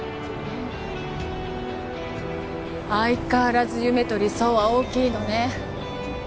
相変わらず夢と理想は大きいのね。